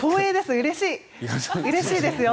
うれしいですよ。